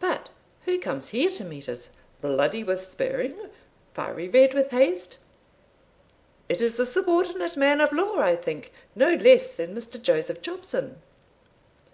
But who comes here to meet us, 'bloody with spurring, fiery red with haste?' It is the subordinate man of law, I think no less than Mr. Joseph Jobson."